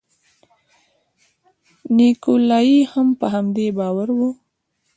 نیکولای هم په همدې باور و.